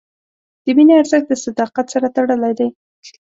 د مینې ارزښت د صداقت سره تړلی دی.